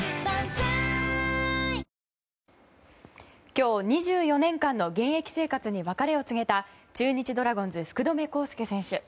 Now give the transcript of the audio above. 今日、２４年間の現役生活に別れを告げた中日ドラゴンズ、福留孝介選手。